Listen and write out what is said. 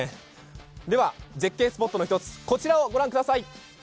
では絶景スポットの一つ、こちらを御覧ください。